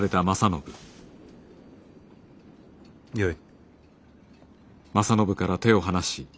よい。